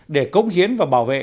để cống hiến và bảo vệ